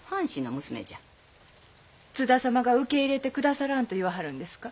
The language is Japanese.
津田様が受け入れてくださらんと言わはるんですか？